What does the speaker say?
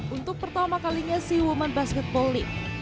untuk pertama kalinya si woman basketball league